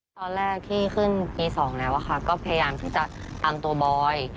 ตอนแรกที่ขึ้นปี๒แล้วก็พยายามที่จะตามตัวบอย